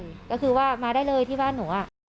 ก็คือว่ามาได้เลยที่บ้านหนูอ่ะ